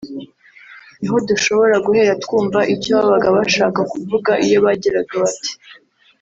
niho dushobora guhera twumva icyo babaga bashaka kuvuga iyo bagiraga bati